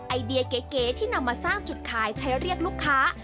ไอเดียเก๋ที่นำมาสร้างจุดขายใช้เรียกลูกค้า